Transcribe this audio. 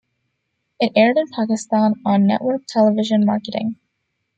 It aired in Pakistan on Network Television Marketing.